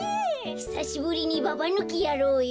ひさしぶりにババぬきやろうよ。